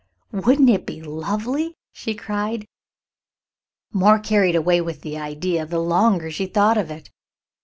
Wouldn't it be lovely?" she cried, more carried away with the idea the longer she thought of it.